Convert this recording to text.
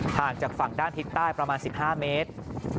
ผ่านจากฝั่งด้านทิศใต้ประมาณสิบห้าเมตร